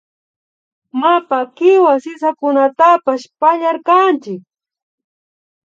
Mapa kiwa sisakunatapash pallarkanchik